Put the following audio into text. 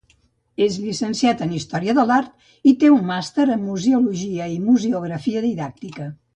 És llicenciat en història de l'art i té un màster en museologia i museografia didàctica.